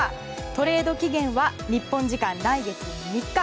トレード期限は日本時間来月３日。